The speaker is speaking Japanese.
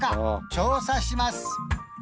調査します